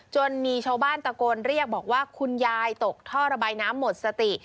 จนมีชาวบ้านตะโกนเรียกบอกว่าคุณยายตกท่อระบายน้ำหมดสติ